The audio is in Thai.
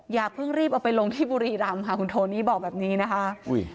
อย่าเพิ่งรีบเอาไปลงที่บุรีรำค่ะคุณโทนี่บอกแบบนี้นะคะ